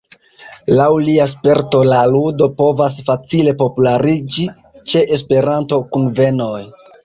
Laŭ lia sperto la ludo povas facile populariĝi ĉe Esperanto-kunvenoj.